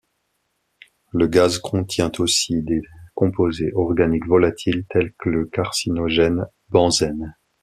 Le gaz contient aussi des composés organiques volatils tels que le carcinogène benzène.